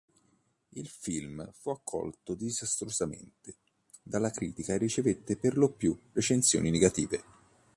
Il film fu accolto disastrosamente dalla critica e ricevette per lo più recensioni negative.